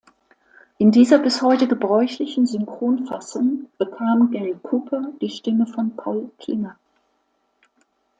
In dieser bis heute gebräuchlichen Synchronfassung bekam Gary Cooper die Stimme von Paul Klinger.